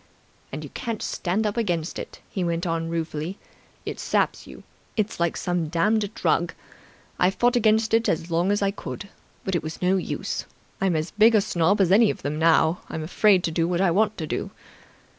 "And you can't stand up against it," he went on ruefully. "It saps you. It's like some damned drug. I fought against it as long as I could, but it was no use. I'm as big a snob as any of them now. I'm afraid to do what I want to do.